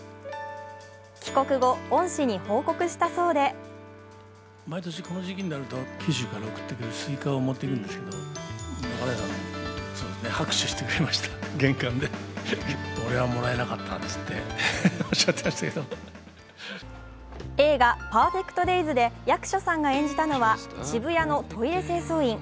帰国後、恩師に報告したそうで映画「ＰＥＲＦＥＣＴＤＡＹＳ」で役所さんが演じたのは渋谷のトイレ清掃員。